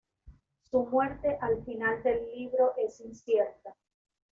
Su muerte al final del libro es incierta.